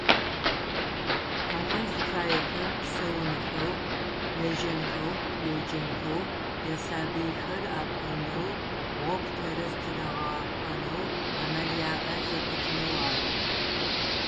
Ахэр зыфаехэр псэунхэу, лэжьэнхэу, еджэнхэу, ясабыйхэр апӏунэу, гъогу тэрэз тырагъэхьанэу амал яӏэ зэпытынэу ары.